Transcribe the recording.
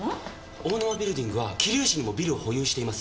大沼ビルディングは桐生市にもビルを保有しています。